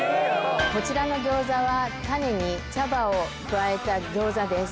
こちらの餃子はタネに茶葉を加えた餃子です。